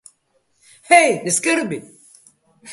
Hej, ne skrbi.